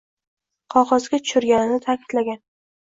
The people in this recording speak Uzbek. qog‘ozga tushirganini ta’kidlagan.